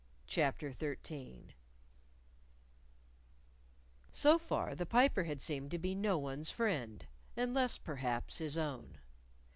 CHAPTER XIII So far, the Piper had seemed to be no one's friend unless, perhaps, his own.